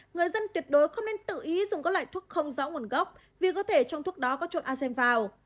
người dân tuyệt đối không nên tự ý dùng các loại thuốc không rõ nguồn gốc vì có thể trong thuốc đó có trộn asem vào